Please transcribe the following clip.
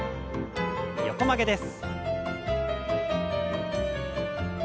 横曲げです。